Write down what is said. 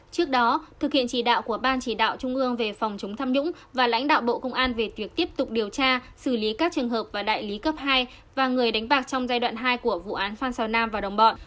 trước đó thực hiện chỉ đạo của ban chỉ đạo trung ương về phòng chống tham nhũng và lãnh đạo bộ công an về việc tiếp tục điều tra xử lý các trường hợp và đại lý cấp hai và người đánh bạc trong giai đoạn hai của vụ án phan xào nam và đồng bọn